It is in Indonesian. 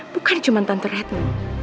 bukan cuma tante retno